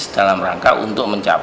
dalam pernyataan resminya